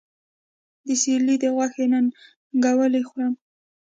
د سېرلي د غوښې ننګولی خورم